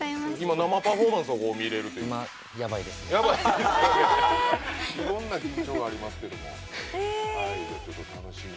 生パフォーマンスを見れるっていういろんな緊張感がありますけど。